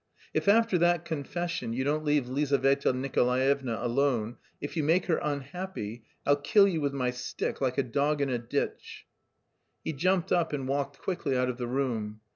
"If after that confession you don't leave Lizaveta Nikolaevna alone, if you make her unhappy, I'll kill you with my stick like a dog in a ditch!" He jumped up and walked quickly out of the room.